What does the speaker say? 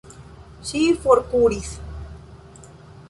Ŝi forkuris.